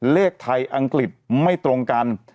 เลขไทยอังกฤษไม่ตรงกัน